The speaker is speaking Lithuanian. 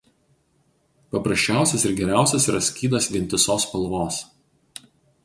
Paprasčiausias ir geriausias yra skydas vientisos spalvos.